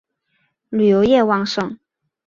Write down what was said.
旅游业兴盛。